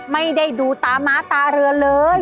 ไม่ได้ดูตาม้าตาเรือเลย